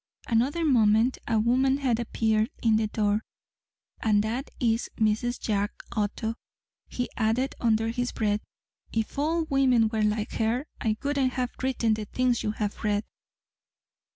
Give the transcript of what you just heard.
Another moment, and a woman had appeared in the door. "And that is Mrs. Jack Otto," he added under his breath. "If all women were like her I wouldn't have written the things you have read!"